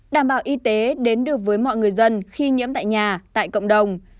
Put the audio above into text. đảm bảo y tế đến được với mọi người dân khi nhiễm tại nhà tại cộng đồng